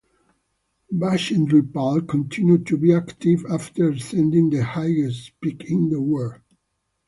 Bachendri Pal continued to be active after ascending the highest peak in the world.